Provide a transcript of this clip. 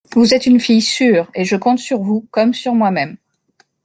Vous êtes une fille sûre et je compte sur vous comme sur moi-même…